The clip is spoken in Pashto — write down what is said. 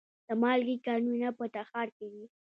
د مالګې کانونه په تخار کې دي